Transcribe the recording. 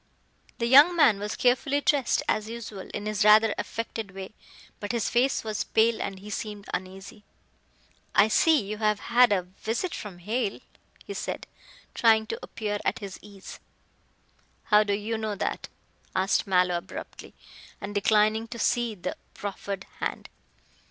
The young man was carefully dressed as usual in his rather affected way, but his face was pale and he seemed uneasy. "I see you have had a visit from Hale," he said, trying to appear at his ease. "How do you know that?" asked Mallow abruptly, and declining to see the proffered hand.